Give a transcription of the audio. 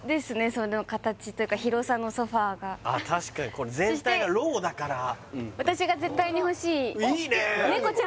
その形というか広さのソファが確かにこれ全体がローだからそして私が絶対に欲しいいいねえ